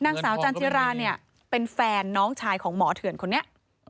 นางสาวจันจิราเนี่ยเป็นแฟนน้องชายของหมอเถื่อนคนนี้